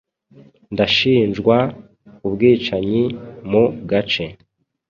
Ndashinjwa ubwicanyi mu gace